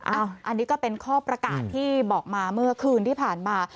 อันนี้ก็เป็นข้อประกาศที่บอกมาเมื่อคืนที่ผ่านมา